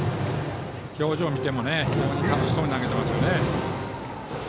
表情を見ても非常に楽しそうに投げていますね。